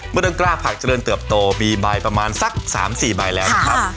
เมื่อต้นกล้าผักจะเริ่มเตรียมโตปีใบประมาณสัก๓๔ใบแล้วนะครับ